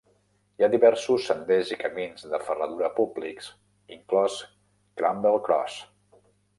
Hi ha diversos senders i camins de ferradura públics, inclòs Cramble Cross.